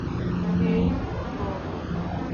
হেই, Bob.